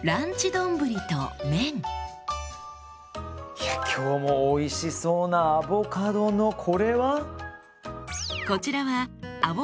いや今日もおいしそうなアボカドのこれは？